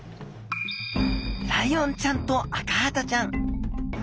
ライオンちゃんとアカハタちゃん